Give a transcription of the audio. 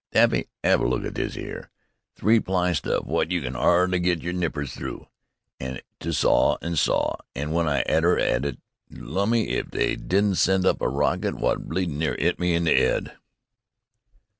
"Taffy, 'ave a look at this 'ere. Three ply stuff wot you can 'ardly get yer nippers through. 'Ad to saw an' saw, an' w'en I all but 'ad it, lummy! if they didn't send up a rocket wot bleedin' near 'it me in the 'ead!"